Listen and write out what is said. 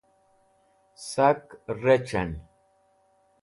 sak rec̃h'en